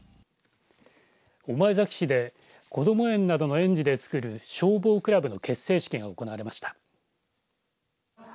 御前崎市でこども園などの園児で作る消防クラブの結成式が行われました。